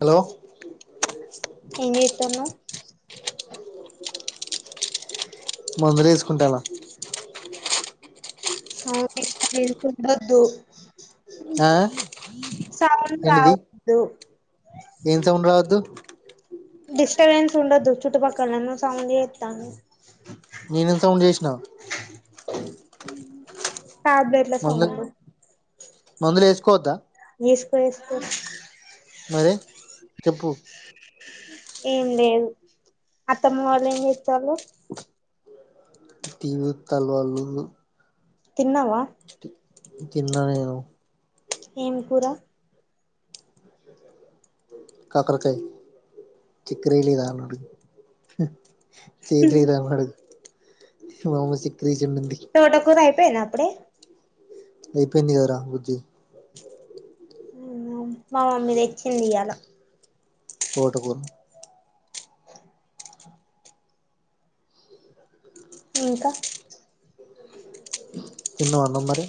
Hello ఏం చేత్తన్నావ్ మందులేస్కుంటన్న సౌండ్ డిస్టబెన్స్ ఉండొద్దు ఆ సౌండ్ ఏంటిది రావొద్దు ఏం సౌండ్ రావద్దు డిస్టర్బెన్స్ ఉండొద్దు చుట్టుపక్కల నువ్ సౌండ్ చెత్తానవ్ నేనేం సౌండ్ చేసినా ట్యాబ్లేెట్ల మందు సౌండ్ మందులు వేసుకోవద్దా ఎస్ కో ఎస్కో మరి చెప్పు ఏం లేదు అత్తమ్మ వాళ్ళు ఏం చెత్తాళ్ళు టీవీ చూత్తలు వాళ్ళు తిన్నావా తిన్న నేను ఏం కూర కాకరకాయ్ చిక్కరేయ్య లేదా అని అడుగు చేద్ లేదా అని అడుగు మా అమ్మ చెక్కరేస్ తోట కూర అయిపోయింద అప్పుడే అయిపొయింది కదరా బుజ్జి మా మమ్మీ తెచ్చింది ఇయ్యల తోటకూర ఇంకా తిన్నవా అన్నం మరి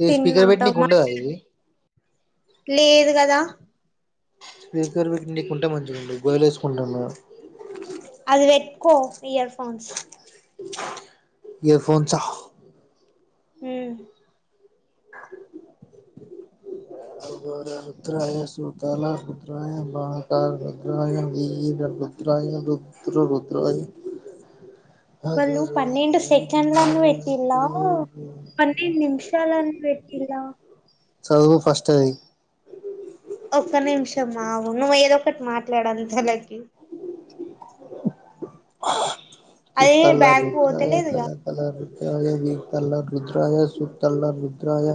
ఇది తిన్నా స్పీకర్ పెట్టి నీకి టమాట ఉండదా ఇది లేదు కదా స్పీకర్ పెట్టనికి ఉంటే మంచిగుండు గోలిలేసుకుంటన్న అది పెట్కో ఇయర్ ఫోన్స్ ఇయర్ ఫోన్స్ హ మ్ అగోర రుద్రాయ సుతల రుద్రాయ పాతాళ రుద్రాయ వీర రుద్ర య రుద్ర రుద్రాయ వాళ్ళు అగరు పన్నెండు రుద్రాయ వీర సెకండ్ని పెట్టిల్ల రుద్రాయ పన్నెండు నిమిషాలన్ పెట్ టిల్లా సదువు ఫస్ట్ అది ఒక్క నిమిషం అగు నువ్వు ఏదో ఒకటి మాట్లాడు అంతాలకి చిత్తల బ్యాక్ రుద్రాయ పోతలేదుగా తల తల రుద్రాయ వితల రు రుద్రాయ సుత్తల రుద్రాయ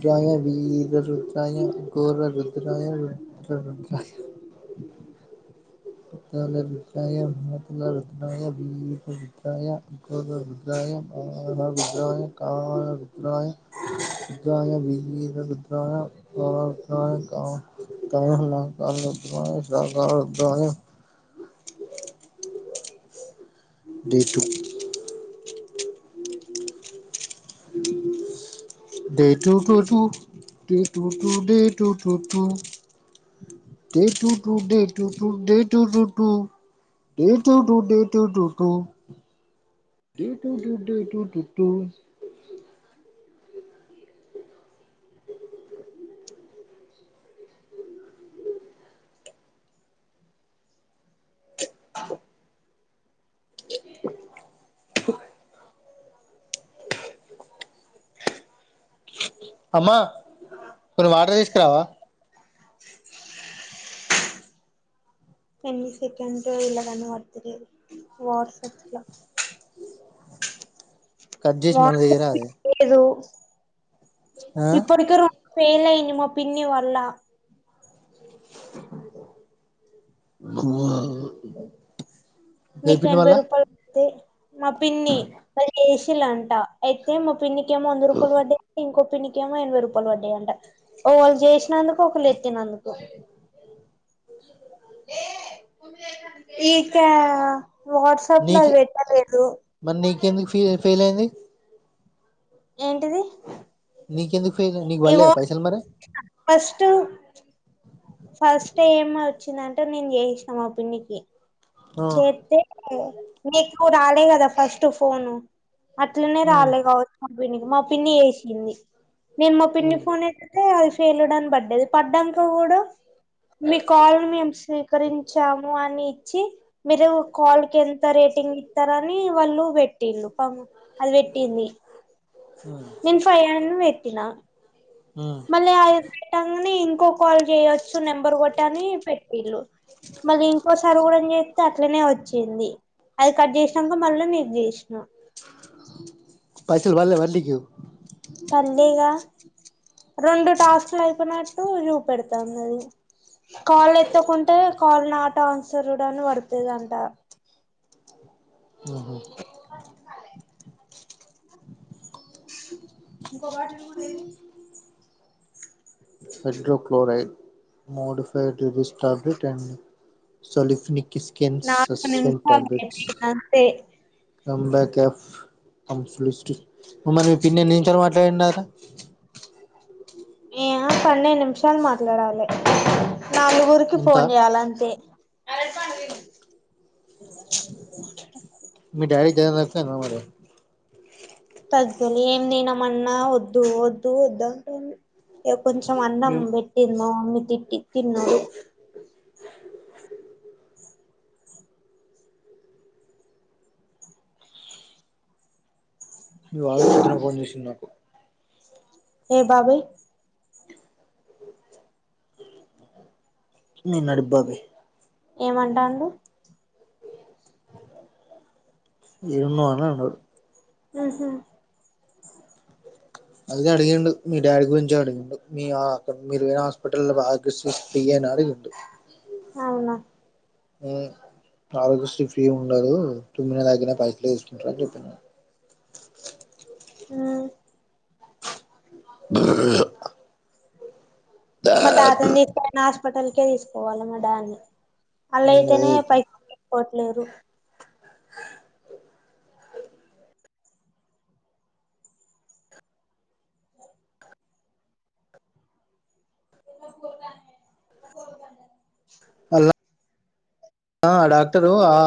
ద్రయ వీరా రుద్రాయ గోర రుద్రాయ రుద్ర రుద్రాయ సుతల రుద్రాయ [unintelligible] రుద్రాయ వీరా రుద్రాయ గోర రుద్రాయ మాల రుద్రాయ కాల రుద్రాయ రుద్రాయ వీర రుద్రాయ [unintelligible] [unintelligible] రుద్రాయ డే టూ దే టుటుటు టిటుటు డే టుటుటు డే టు టు డే టు టు డే టు టు టు డే టుటు డే టుటు టూ [inaudible] అమ్మా కొన్ని వాటర్ తీసుకురావా ఎన్ని సెకండ్సో ఇల్ల కనభడుతలేదు వాట్సప్ ల కట్ జేసి మళ్ళ చేయరాదే ఇప్పుట్కె రొండు ఫెయిల్ అయింది మా పిన్నీ వల్ల మీక్ అయిపోయింది ఎనభై మళ్ళా రూపాయల్ తే మా పిన్ని వాళ్ళక్ ఏసిన్లంట అయితే మా పిన్నికేమో వంద రూపాల్ పడ్డయం ఇంకో పిన్నికేమో ఎనభై రూపాల్ పడ్డయంట. ఒకల్ చేసినందుకు ఒకల్ ఎత్తినందుకు ఏ క్యా వాట్సాప్లో నీకి అది పెట్టలేదు. మరి నీకెందుకు ఫీ ఫెయిల్ అయింది. ఏంటిది? నీకెందుకు ఫెయిలై నీకు ఇగో పల్లెదా పైసల్ మరి ఫస్ట్ ఫస్ట్ ఏం వచ్చిందంటే నెన్ చేసినా మా పిన్నికి ఆ చేత్తే నీకు రాలే గదా ఫస్ట్ ఫోను అట్లనే ఉమ్ రాలే కావచ్ పిన్నికి మా పిన్ని చేసింది నేన్ మా పిన్ని ఫోన్ ఎత్తుతే అది ఫెల్లుడ్ అన్ పడ్డది అడ్డంక గుడా మీ కాల్ మేం స్వీకరించాము అని ఇచ్చి మీరు కాల్కి ఎంత రేటింగ్ ఇత్తరని వాళ్ళు పెట్టిళ్ళు పమ్ అది పెట్టింది. నేన్ ఫైవ్ అను పెట్టిన మళ్ళీ అ పెట్టంగనే ఇంకో కాల్ చేయొచ్చు నెంబర్ కొట్ అని పెట్టిళ్ళు మాది ఇంకోసార్ గుడం చేత్తే అట్లనే వచ్చింది. అది కట్ చేసినంక మళ్ళ నీక్ చేస్నా ఫైసల్ పల్లే మర్ నీకు పల్లేగా రెండు టాస్క్లు అయిపోయినట్టు చూపెడుతాంనది. కాల్ ఎత్తకుంటే కాల్ నాట్ ఆన్సర్డ్ అన్ పడుతదంట. హో హైడ్రోక్లోరైడ్ మోడిఫైడ్ [unintelligible] టెన్ సల్ఫినిక్ కిస్ స్కెన్స్ నాలుగు సస్పెంట్ నిమిషాలు టాబ్లెట్స్ అయిపోయింది అంతే come back F comes list మరి పిన్ని ఎన్ని నిమిషాలు మాట్లాడిన్ దటా ఏమో పన్నెండ్ నిమిషాల్ మాట్లాడాలే నాలుగురికి ఎంత ఫోన్ చేయాలంతే మీ డాడి జరం తక్కో అయిందా మరి తగ్గలె ఏం తినమన్నా వద్దు వద్దు వద్దు ఎ కొంచం అన్నం పెట్టింది మా మమ్మీ తిట్టి తిన్నా మీ బాబాయ్ పొద్దున ఫోన్ చేసిండ్ నాకు ఏ బాబాయి నీ నడిప్ బాబై ఏమంటాండు? ఏడున్నవ్ అన్ అన్నడు. మ్ హ్ అదే అడిగిండు మీ డాడీ గురించే అడిగిండు మీ అక్కడ మీరు ఏ హాస్పిటల్ల్లో బాగా [inaudible] డాడీకి కొట్టు అవునా ఏ ఆరోగ్య శ్రీ ఫ్రీ ఉండడు తుమ్మిన దగ్గిన పైసలే తీస్కుంటరన్ చెప్పిన ఉమ్ మ తాతా ఎం చేతండు హాస్పిటల్ కే తీసుకవాలే మా డాడ్ ని నేను అదే అలైతేనే చెప్పిన పైసలు తీసుకోట్లేలేరు అలా ఆ డాక్టర్ ఆ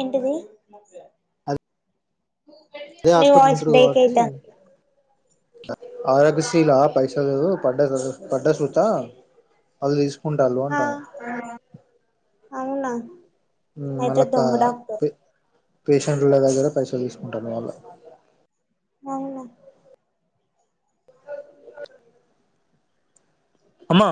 ఏంటిది అద్ అదే నీ హాస్పిటలో వాయిస్ ఉంటరు బ్రేక్ కాబట్టి అయితాంది ఆరోగ్యశీలా పైసలు పడ్డ పడ్డసూతా అల్ తీస్ కుంటాలు ఆ అంటన అవునా మ్ అయితే మల్లకా దొంగ డాక్టర్ ప్ పేషెంట్ ల దగ్గర పైసలు తీసుకుంటాళ్ళు మళ్ళ అవునా అమ్మ